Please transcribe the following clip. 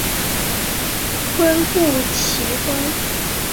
坤布崎峰